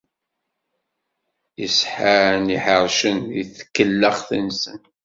Iseḥḥaren iḥercen di tkellax-nsen.